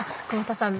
窪田さん